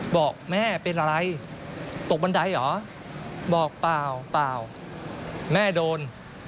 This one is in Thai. บอกแม่เป็นอะไรตกบันไดเหรอบอกเปล่าเปล่าแม่โดน